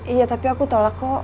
iya tapi aku tolak kok